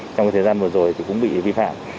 trong thời gian vừa rồi cũng bị vi phạm